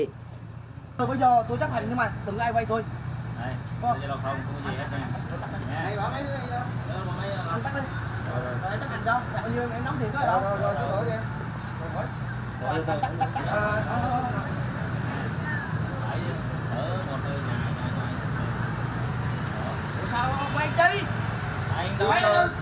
bây giờ tôi chấp hành nhưng mà đừng có ai quay tôi